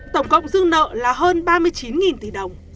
tổng cộng dư nợ là hơn ba mươi chín tỷ đồng